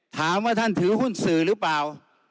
ถามว่าท่านถือหุ้นสื่อหรือเปล่า